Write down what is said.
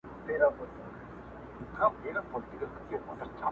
د انسان زړه آیینه زړه یې صیقل دی!!